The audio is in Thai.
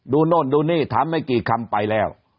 โน่นดูนี่ถามไม่กี่คำไปแล้ว